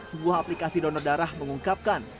sebuah aplikasi donor darah mengungkapkan